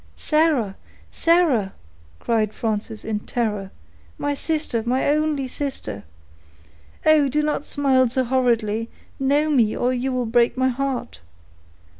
"Sarah! Sarah!" cried Frances, in terror; "my sister—my only sister—Oh! do not smile so horridly; know me, or you will break my heart."